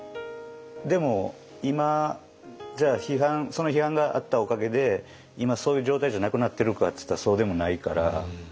でも今その批判があったおかげで今そういう状態じゃなくなってるかっていったらそうでもないから。